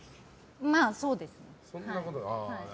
まあ、そうですね。